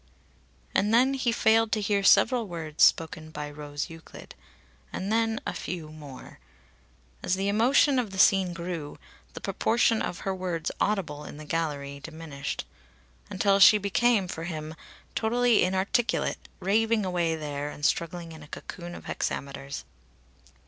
And then he failed to hear several words spoken by Rose Euclid. And then a few more. As the emotion of the scene grew, the proportion of her words audible in the gallery diminished. Until she became, for him, totally inarticulate, raving away there and struggling in a cocoon of hexameters.